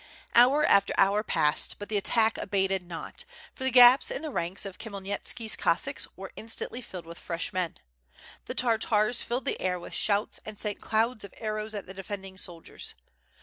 Hour after hour passed, but the attack abated not, for the gaps in the ranks of Khmyelnitski^s Cossacks were instantly filled with fresh men. The Tartars filled the air with shouts and sent clouds of arrows at the defending soldiers.